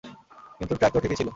কিন্তু ট্রাক তো ঠিকই ছিল।